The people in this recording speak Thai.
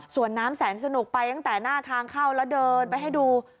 ส่วนน้ำแสนสนุกไปตั้งแต่หน้าทางเข้าแล้วเดินไปให้ดู